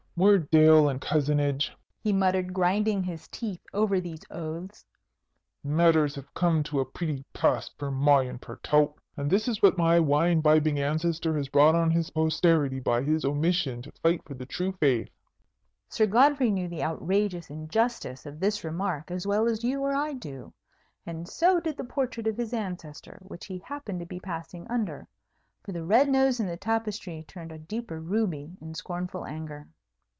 "Mort d'aieul and Cosenage!" he muttered, grinding his teeth over these oaths; "matters have come to a pretty pass, per my and per tout! And this is what my wine bibbing ancestor has brought on his posterity by his omission to fight for the True Faith!" Sir Godfrey knew the outrageous injustice of this remark as well as you or I do; and so did the portrait of his ancestor, which he happened to be passing under, for the red nose in the tapestry turned a deeper ruby in scornful anger.